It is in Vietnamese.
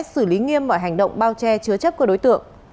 xử lý nghiêm mọi hành động bao che chứa chấp của đối tượng